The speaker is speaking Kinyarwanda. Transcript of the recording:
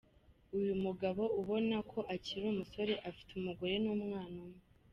Uyu mugabo ubona ko akiri umusore, afite umugore n’umwana umwe.